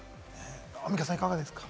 アンミカさん、いかがですか？